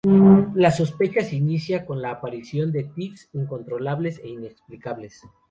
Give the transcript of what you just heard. La sospecha se inicia con la aparición de tics, incontrolables e inexplicables.